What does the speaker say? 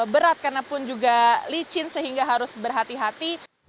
berat karenapun juga licin sehingga harus berhati hati